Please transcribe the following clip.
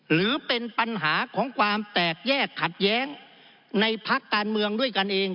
หรือเป็นปัญหาของความแตกแยกขัดแย้งในพักการเมืองด้วยกันเอง